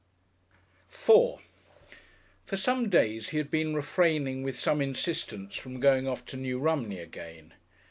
§4 For some days he had been refraining with some insistence from going off to New Romney again....